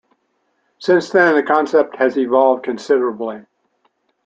Since then, the concept has evolved considerably.